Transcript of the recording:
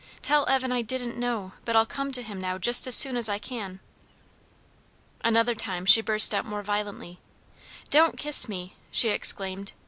Tell Evan I didn't know; but I'll come to him now just as soon as I can." Another time she burst out more violently. "Don't kiss me!" she exclaimed.